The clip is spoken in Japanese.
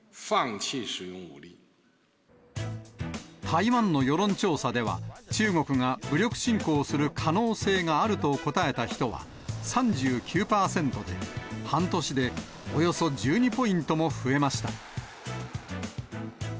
台湾の世論調査では、中国が武力侵攻する可能性があると答えた人は３９％で、半年でおよそ１２ポイントも増えました。